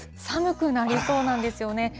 寒くなりそうなんですよね。